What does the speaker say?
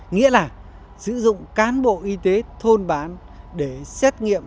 nghĩa là sử dụng cán bộ y tế thôn bán để xét nghiệm